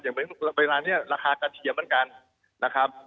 เวลานี้ราคากระเทียมเหมือนกันนะครับ